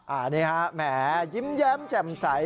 อันนี้ฮะแหมยิ้มแย้มแจ่มใส